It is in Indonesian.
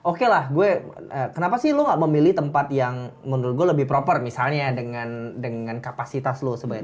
oke lah gue kenapa sih lo gak memilih tempat yang menurut gue lebih proper misalnya dengan kapasitas lo sebenarnya